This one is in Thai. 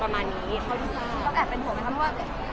แล้วแอบเป็นห่วงมั้ยค่ะ